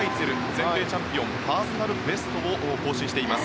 全米チャンピオンパーソナルベストを更新しています。